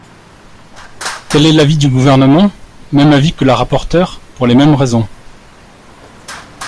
Quel est l’avis du Gouvernement ? Même avis que la rapporteure, pour les mêmes raisons.